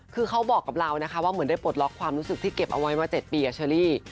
คือเขาบอกกับเรานะคะว่าเหมือนได้ปลดล็อกความรู้สึกที่เก็บเอาไว้มา๗ปีเชอรี่